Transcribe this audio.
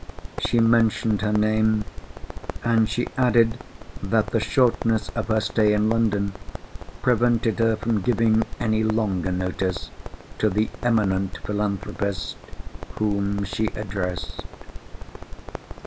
She mentioned her name, and she added that the shortness of her stay in London prevented her from giving any longer notice to the eminent philanthropist whom she addressed.